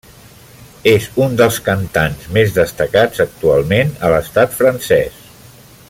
És un dels cantants més destacats actualment a l'estat francès.